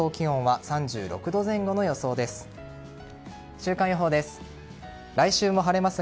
週間予報です。